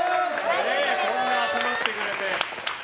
こんな集まってくれて。